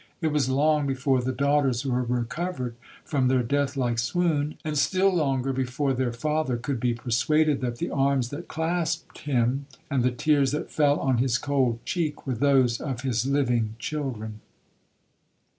It was long before the daughters were recovered from their death like swoon, and still longer before their father could be persuaded that the arms that clasped him, and the tears that fell on his cold cheek, were those of his living children.